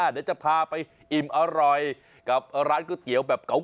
เดี๋ยวจะพาไปอิ่มอร่อยกับร้านก๋วยเตี๋ยวแบบเก่า